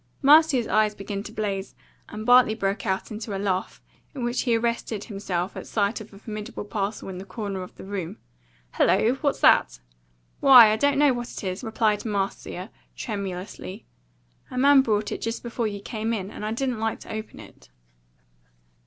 Marcia's eyes began to blaze, and Bartley broke out into a laugh, in which he arrested himself at sight of a formidable parcel in the corner of the room. "Hello! What's that?" "Why, I don't know what it is," replied Marcia tremulously. "A man brought it just before you came in, and I didn't like to open it."